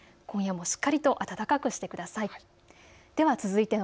今夜もしっかりと暖かくしてください。